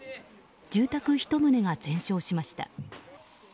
住宅１棟が全焼しました。